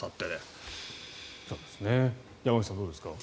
山口さん、どうですか？